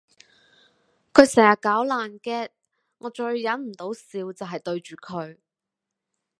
佢成日搞爛 gag 我最忍唔到笑就係對住佢